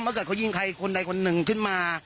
ถ้าเกิดเขายิงใครคนใดคนหนึ่งขึ้นมา